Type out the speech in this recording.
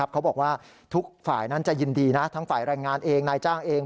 เขาบอกว่าทุกฝ่ายนั้นจะยินดีนะทั้งฝ่ายแรงงานเองนายจ้างเอง